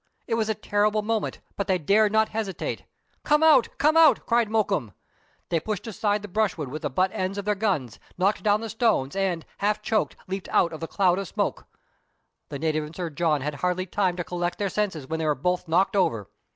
It was a terrible moment, but they dared not hesitate. " Come out! come out !" cried Mokoum. They pushed aside the brushwood with the butt ends of their guns, knocked down the stones, and, half choked, leaped out of the cloud of smoke. The native and Sir John had hardly time to collect their senses when they were both knocked over.